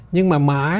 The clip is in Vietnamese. nhưng mà mãi